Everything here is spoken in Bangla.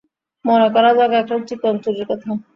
মনে করা যাক একটা চিকন চুড়ির কথা।